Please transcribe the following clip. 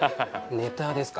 ネタですか。